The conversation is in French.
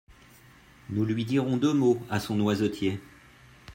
Nous lui dirons deux mots, à son noisetier…